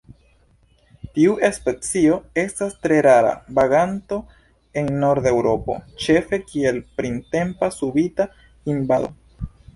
Tiu specio estas tre rara vaganto en norda Eŭropo, ĉefe kiel printempa subita invado.